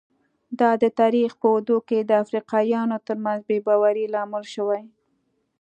دا د تاریخ په اوږدو کې د افریقایانو ترمنځ بې باورۍ لامل شوي.